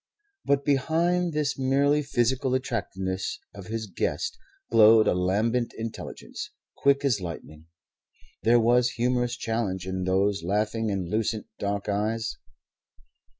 But behind this merely physical attractiveness of his guest glowed a lambent intelligence, quick as lightning. There was humorous challenge in those laughing and lucent dark eyes.